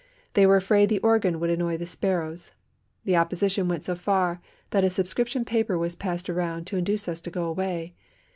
They were afraid the organ would annoy the sparrows. The opposition went so far that a subscription paper was passed around to induce us to go away.